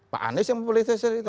pak anies yang mempolitisir itu